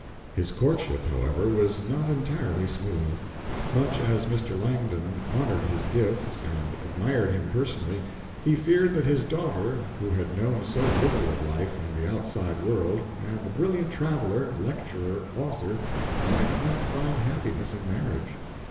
His courtship, however, was not entirely smooth. Much as Mr. Langdon honored his gifts and admired him personally, he feared that his daughter, who had known so little of life and the outside world, and the brilliant traveler, lecturer, author, might not find happiness in marriage.